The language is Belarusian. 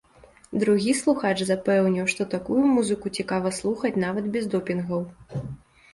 Другі слухач запэўніў, што такую музыку цікава слухаць нават без допінгаў.